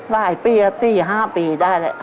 ได้ปีแล้วปีห้าปีได้แหละ